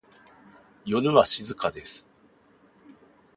夜は静かです。